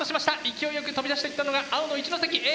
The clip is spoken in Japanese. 勢いよく飛び出していったのが青の一関Ａ。